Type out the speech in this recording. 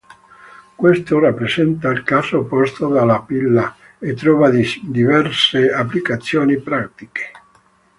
Questo rappresenta il caso opposto della pila e trova diverse applicazioni pratiche.